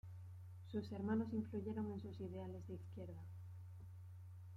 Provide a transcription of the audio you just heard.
Sus hermanos influyeron en sus ideales de izquierda.